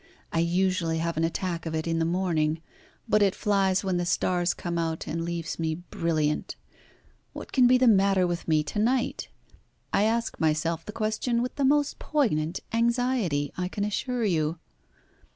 I usually have an attack of it in the morning, but it flies when the stars come out and leaves me brilliant. What can be the matter with me to night? I ask myself the question with the most poignant anxiety, I can assure you."